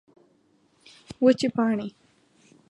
وچې پاڼې